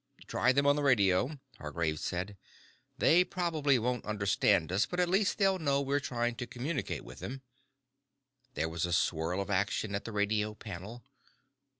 "Try them on the radio," Hargraves said. "They probably won't understand us but at least they will know we're trying to communicate with them." There was a swirl of action at the radio panel.